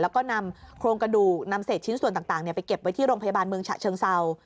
แล้วก็นำโครงกระดูกนำเศษชิ้นส่วนต่างไปเก็บไว้ที่โรงพยาบาลเมืองฉะเชิงเศร้า